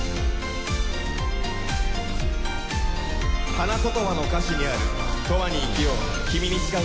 花言葉の歌詞にある「永遠に生きよう君に誓うから」。